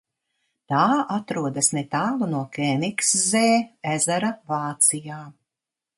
Tā atrodas netālu no Kēnigszē ezera Vācijā.